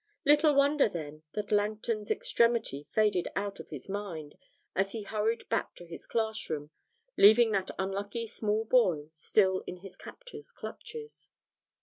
Little wonder, then, that Langton's extremity faded out of his mind as he hurried back to his class room, leaving that unlucky small boy still in his captor's clutches.